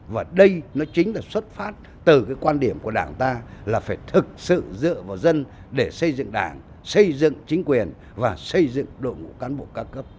và đây nó chính là xuất phát từ cái quan điểm của đảng ta là phải thực sự dựa vào dân để xây dựng đảng xây dựng chính quyền và xây dựng đội ngũ cán bộ ca cấp